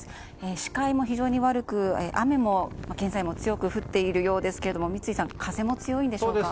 視界も非常に悪く、雨も現在も強く降っているようですが三井さん、風も強いんでしょうか。